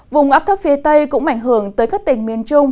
vùng ấp thấp phía tây cũng mảnh hưởng tới các tỉnh miền trung